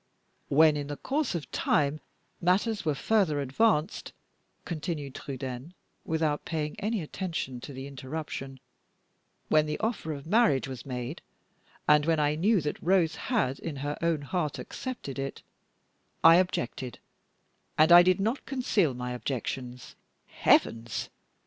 "When, in the course of time, matters were further advanced," continued Trudaine, without paying any attention to the interruption; "when the offer of marriage was made, and when I knew that Rose had in her own heart accepted it, I objected, and I did not conceal my objections " "Heavens!"